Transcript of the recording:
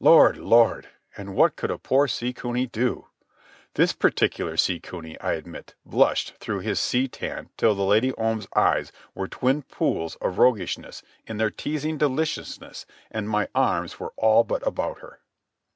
Lord, Lord! and what could a poor sea cuny do? This particular sea cuny, I admit, blushed through his sea tan till the Lady Om's eyes were twin pools of roguishness in their teasing deliciousness and my arms were all but about her.